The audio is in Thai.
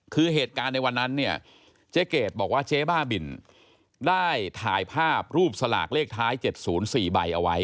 คือเหตุการณ์ในวันนั้นเนี่ยเจ๊เกดบอกว่าเจ๊บ้าบินได้ถ่ายภาพรูปสลากเลขท้าย๗๐๔ใบเอาไว้